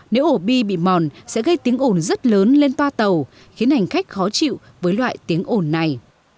nếu ổ bi bị mòn sẽ gây tiếng ồn rất lớn lên toa tàu khiến hành khách khó chịu với loại tiếng ồn này